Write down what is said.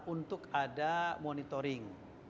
untuk ada monitoring